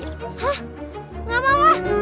hah nggak mau ah